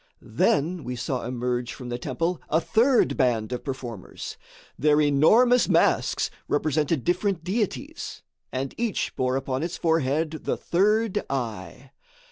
Then we saw emerge from the temple a third band of performers. Their enormous masks represented different deities, and each bore upon its forehead "the third eye."